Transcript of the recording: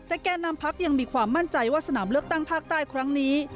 แต่แก่นำพักยังมีความมั่นใจว่าสนามเลือกตั้งภาคใต้ครั้งนี้